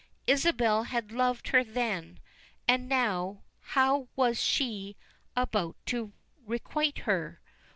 Isabel had loved her then; and now, how was she about to requite her?